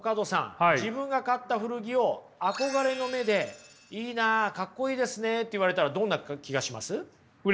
自分が買った古着を憧れの目で「いいなかっこいいですね」って言われたらどんな気がします？